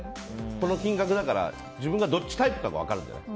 この金額だから自分がどっちタイプか分かるんじゃない？